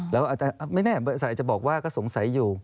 แล้วอาจจะไม่แน่บริษัทอาจจะบอกว่าก็สงสัยอยู่